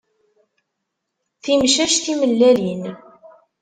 Timcac timellalin.